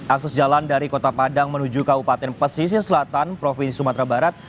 akses jalan dari kota padang menuju kabupaten pesisir selatan provinsi sumatera barat